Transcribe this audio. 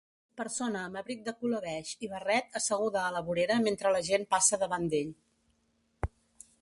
Persona amb abric de color beix i barret asseguda a la vorera mentre la gent passa davant d'ell.